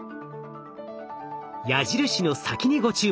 矢印の先にご注目。